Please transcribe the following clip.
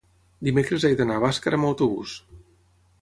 dimecres he d'anar a Bàscara amb autobús.